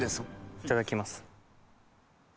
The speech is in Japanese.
いただきます。